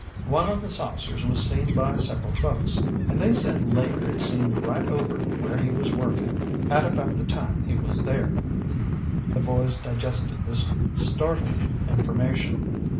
One of the saucers was seen by several folks, and they said later it seemed right over where he was workin' at about the time he was there." The boys digested this startling information.